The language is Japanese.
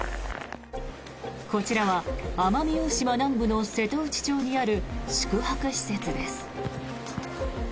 こちらは奄美大島南部の瀬戸内町にある宿泊施設です。